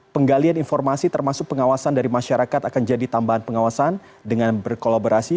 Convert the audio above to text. penggalian informasi termasuk pengawasan dari masyarakat akan jadi tambahan pengawasan dengan berkolaborasi